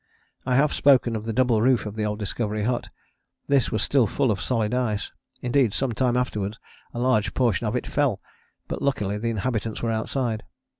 I have spoken of the double roof of the old Discovery hut. This was still full of solid ice; indeed some time afterwards a large portion of it fell, but luckily the inhabitants were outside.